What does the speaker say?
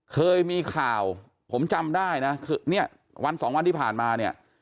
เคยมีข่าวผมจำได้นะคือวัน๒วันที่ผ่านมา